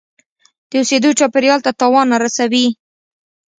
د اوسیدو چاپیریال ته تاوان نه رسوي.